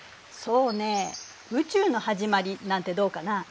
そうねぇ「宇宙のはじまり」なんてどうかな？